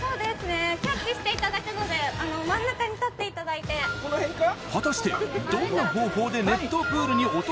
キャッチしていただくので真ん中に立っていただいてこのへんか？